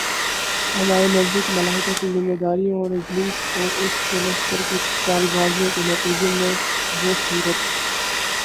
ہمارے نزدیک، ملائکہ کی ذمہ داریوں اور ابلیس اور اس کے لشکر کی چالبازیوں کے نتیجے میں وہ صورتِ